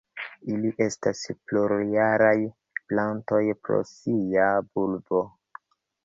Ili estas plurjaraj plantoj pro sia bulbo.